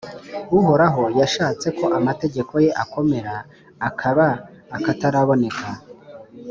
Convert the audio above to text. Uhoraho yashatse ko amategeko ye akomera, akaba akataraboneka.